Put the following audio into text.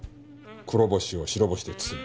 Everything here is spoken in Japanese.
黒星を白星で包む。